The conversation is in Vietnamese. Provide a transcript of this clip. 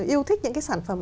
yêu thích những cái sản phẩm